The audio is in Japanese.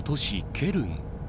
ケルン。